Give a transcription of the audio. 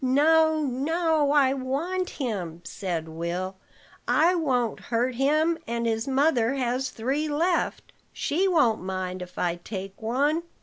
"No, no, I want him," said Will. "I won't hurt him, and his mother has three left: she won't mind if I take one."